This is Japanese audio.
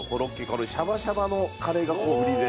シャバシャバのカレーがここ売りで。